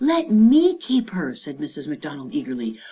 " Let me keep her," said Mrs. McDonald eagerly.